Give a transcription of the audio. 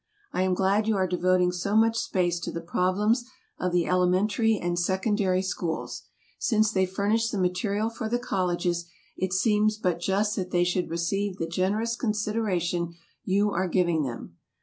I am glad you are devoting so much space to the problems of the elementary and secondary schools. Since they furnish the material for the colleges, it seems but just that they should receive the generous consideration you are giving them.